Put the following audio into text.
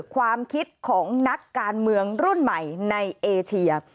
ความคิดของนักการเมืองรุ่นใหม่ในเอเชีย